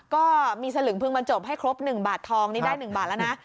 ก็มีสลึงพึงมันจบให้ครบหนึ่งบาททองนี่ได้หนึ่งบาทแล้วนะ